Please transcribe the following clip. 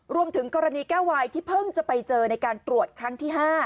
รวมถึงกรณีแก้ววายที่เพิ่งจะไปเจอในการตรวจครั้งที่๕